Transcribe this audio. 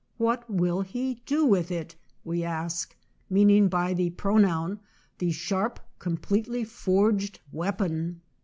" What will he do with it ?" we ask, meaning by the pro noun the sharp, completely forged wea pon.